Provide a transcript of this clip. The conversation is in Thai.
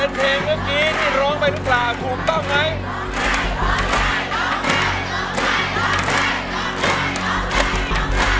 โรงคัยโรงคัยโรงคัยโรงคัยโรงคัยโรงคัย